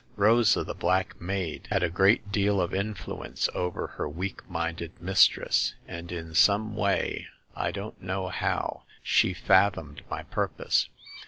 Rosa, the black maid, had a great deal of in fluence over her weak minded mistress, and in some way — I don*t know how— she fathomed my purpose.